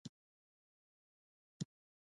د ښځینه ناروغیو لپاره د پنجې بوټی وکاروئ